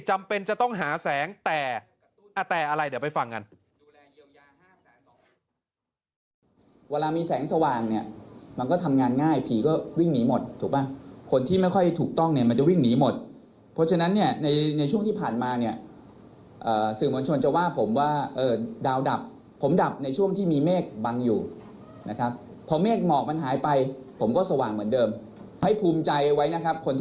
จำเป็นจะต้องหาแสงแต่แต่อะไรเดี๋ยวไปฟังกัน